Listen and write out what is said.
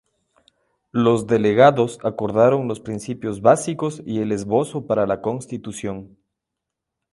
Los delegados acordaron los principios básicos y el esbozo para la constitución.